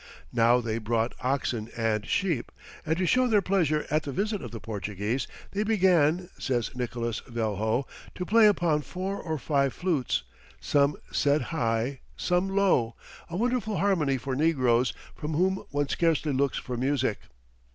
Now they brought oxen and sheep, and to show their pleasure at the visit of the Portuguese, "they began," says Nicolas Velho, "to play upon four or five flutes, some set high, some low, a wonderful harmony for negroes, from whom one scarcely looks for music.